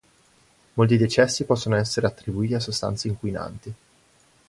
Molti decessi possono essere attribuiti a sostanze inquinanti.